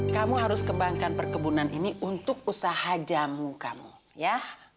kamu harus kembangkan perkebunan ini untuk usaha jamu kamu ya